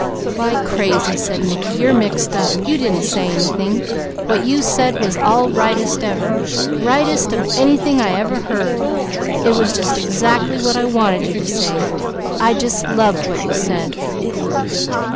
"Why crazy!" said Mickey. "You're mixed up. You didn't say anything! What you said was all rightest ever; rightest of anything I ever heard. It was just exactly what I wanted you to say. I just loved what you said."